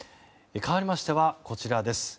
かわりましてこちらです。